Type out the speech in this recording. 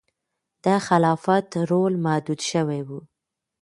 د خلافت رول محدود شوی و.